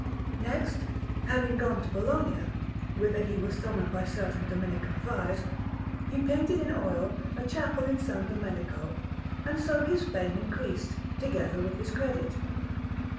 Next, having gone to Bologna, whither he was summoned by certain Dominican friars, he painted in oil a chapel in S. Domenico; and so his fame increased, together with his credit.